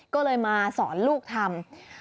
ก็เลยมาสอนลูกทำ